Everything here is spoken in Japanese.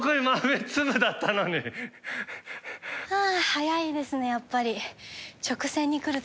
速いですねやっぱり。